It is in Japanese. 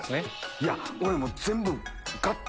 いや俺もう全部。